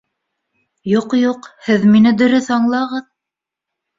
— Юҡ-юҡ, һеҙ мине дөрөҫ аңлағыҙ